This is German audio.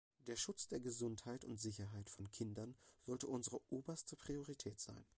Der Schutz der Gesundheit und Sicherheit von Kindern sollte unsere oberste Priorität sein.